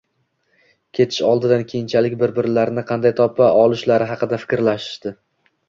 Ketish oldidan keyinchalik bir-birlarini qanday topa olishlari haqida fikrlashishdi